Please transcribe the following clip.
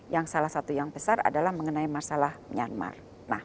yang salah satu yang besar adalah mengenai masalah myanmar